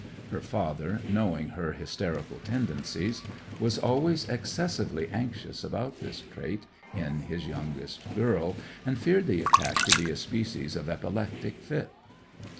Her father, knowing her hysterical tendencies, was always excessively anxious about this trait in his youngest girl, and feared the attack to be a species of epileptic fit.